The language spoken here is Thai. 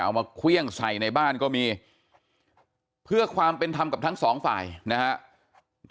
เอามาเครื่องใส่ในบ้านก็มีเพื่อความเป็นธรรมกับทั้งสองฝ่ายนะครับ